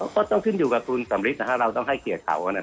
ก็ต้องกับคุณสำรานเราต้องให้เขาเกียรติเขา